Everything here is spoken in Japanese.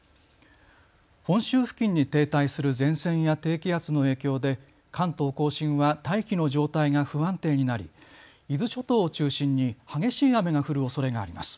本州付近に停滞する前線や低気圧の影響で関東甲信は大気の状態が不安定になり伊豆諸島を中心に激しい雨が降るおそれがあります。